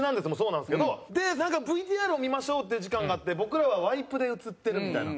なんかＶＴＲを見ましょうっていう時間があって僕らはワイプで映ってるみたいな。